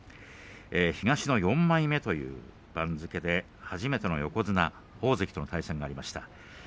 東の４枚目という番付で初めての横綱、大関との対戦がありました。